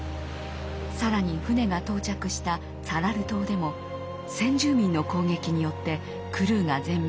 更に船が到着したツァラル島でも先住民の攻撃によってクルーが全滅。